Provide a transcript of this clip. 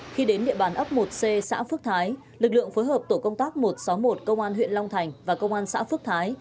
khi đến địa bàn ấp một c xã phước thái lực lượng phối hợp tổ công tác một trăm sáu mươi một công an huyện long thành và công an xã phước thái